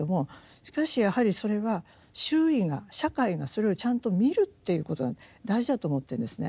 しかしやはりそれは周囲が社会がそれをちゃんと見るっていうことが大事だと思ってるんですね。